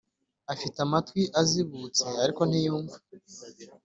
ufite amatwi azibutse, ariko ntiwumva!